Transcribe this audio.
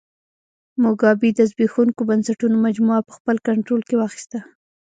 موګابي د زبېښونکو بنسټونو مجموعه په خپل کنټرول کې واخیسته.